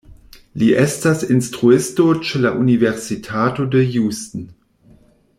Li estas instruisto ĉe la Universitato de Houston.